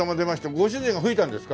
ご主人が吹いたんですか？